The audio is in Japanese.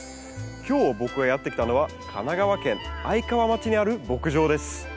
今日僕がやって来たのは神奈川県愛川町にある牧場です。